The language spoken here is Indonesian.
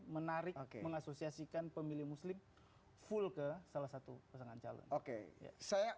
menarik mengasosiasikan pemilih muslim full ke salah satu pasangan calon oke saya